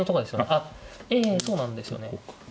あっええそうなんですよね。